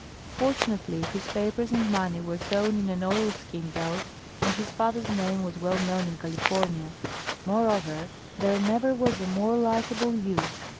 Fortunately, his papers and money were sewn in an oilskin belt and his father's name was well known in California. Moreover, there never was a more likable youth.